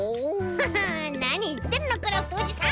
ハハなにいってんのクラフトおじさん。